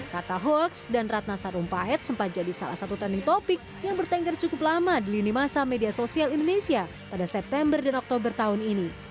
kata hoaks dan ratna sarumpait sempat jadi salah satu trending topic yang bertengger cukup lama di lini masa media sosial indonesia pada september dan oktober tahun ini